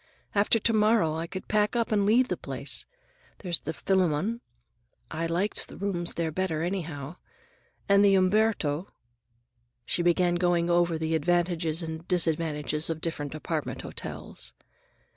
After to morrow I could pack up and leave the place. There's the Phillamon—I liked the rooms there better, anyhow—and the Umberto—" She began going over the advantages and disadvantages of different apartment hotels.